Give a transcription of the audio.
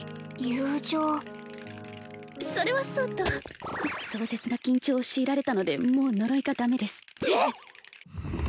友情それはそうと壮絶な緊張を強いられたのでもう呪いがダメですえっ！？